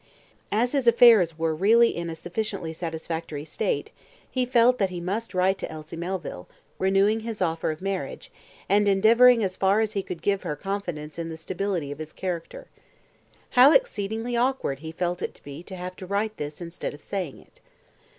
As his affairs were really in a sufficiently satisfactory state, he felt that he must write to Elsie Melville, renewing his offer of marriage, and endeavouring as far as he could to give her confidence in the stability of his character. How exceedingly awkward he felt it to be to have to write this instead of saying it.